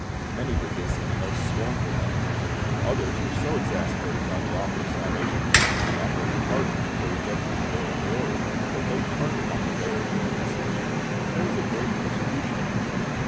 Many did this in the most scornful manner. Others were so exasperated by the offer of salvation, the offer of pardon for rejecting the Lord of glory, that they turned upon the bearers of the message. There was "a great persecution."'